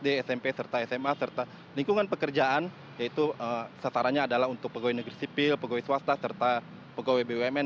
di smp serta sma serta lingkungan pekerjaan yaitu sasarannya adalah untuk pegawai negeri sipil pegawai swasta serta pegawai bumn